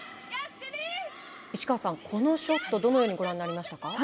市川さん、このショットどのようにご覧になりましたか。